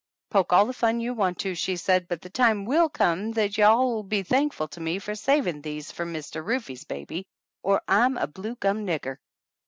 "Poke all the fun you want to," she said, "but the time will come that you all 'ull be thankful to me for savin' these for Mr. Rufe's baby, or I'm a blue gum nigger